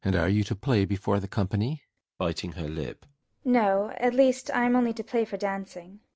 And you are to play before the company? FRIDA. [Biting her lip.] No; at least I am only to play for dancing.